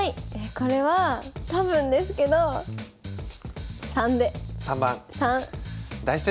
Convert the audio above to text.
これは多分ですけど３で。